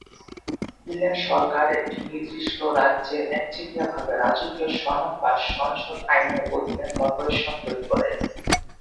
England সরকার, একটি নির্দিষ্ট রাজ্য একচেটিয়া ভাবে রাজকীয় সনদ বা সংসদ আইনের অধীনে কর্পোরেশন তৈরি করে।